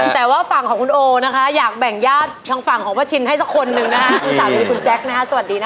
แต่ว่าฝั่งของคุณโอนะคะอยากแบ่งญาติทางฝั่งของพ่อชินให้สักคนนึงนะคะ